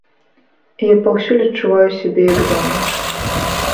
І я паўсюль адчуваю сябе, як дома.